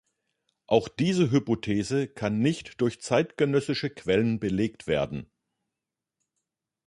Auch diese Hypothese kann nicht durch zeitgenössische Quellen belegt werden.